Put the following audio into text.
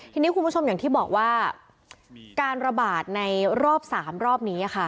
ทีนี้คุณผู้ชมอย่างที่บอกว่าการระบาดในรอบ๓รอบนี้ค่ะ